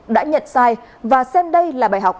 đã nhận sai và xem đây là bài học